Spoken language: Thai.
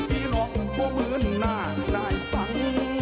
พี่น้องกว่าเมืองน่าได้สัง